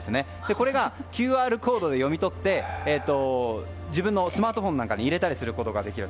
これをＱＲコードで読み取って自分のスマートフォンなんかに入れたりできる。